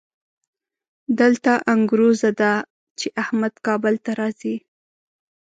دلته انګروزه ده چې احمد کابل ته راځي.